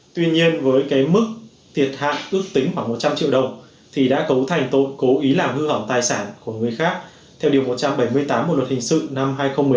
tuy nhiên với cái mức thiệt hại ước tính khoảng một trăm linh triệu đồng thì đã cấu thành tội cố ý làm hư hỏng tài sản của người khác theo điều một trăm bảy mươi tám bộ luật hình sự năm hai nghìn một mươi năm